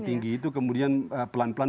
tinggi itu kemudian pelan pelan